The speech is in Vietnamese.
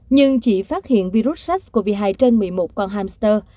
nhưng chỉ phát hiện virus sars cov hai trên một mươi một con hamster